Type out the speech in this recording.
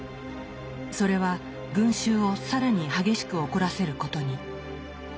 それは群衆を更に激しく怒らせることに。